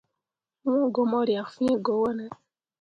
Wu go mu riak fii go wone.